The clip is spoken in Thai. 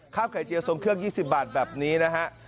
ไข่เจียวทรงเครื่อง๒๐บาทแบบนี้นะฮะ